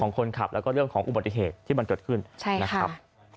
คนขับแล้วก็เรื่องของอุบัติเหตุที่มันเกิดขึ้นนะครับ